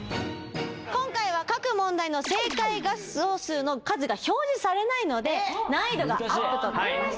今回は各問題の正解画像数の数が表示されないので難易度がアップとなります。